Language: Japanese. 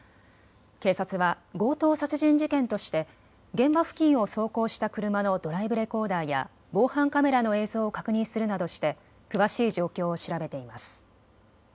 警察は強盗殺人事件として現場付近を走行した車のドライブレコーダーや防犯カメラの映像を確認するなどして詳しい状況を調べています。